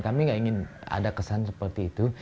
kami gak ingin ada kesan seperti itu